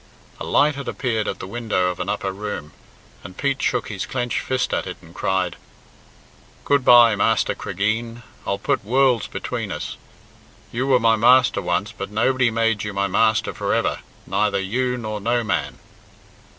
A light had appeared at the window of an upper room, and Pete shook his clenched fist at it and cried, "Good bye, Master Cregeen. I'll put worlds between us. You were my master once, but nobody made you my master for ever neither you nor no man."